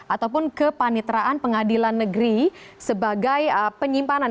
ataupun kepanitraan pengadilan negeri sebagai penyimpanan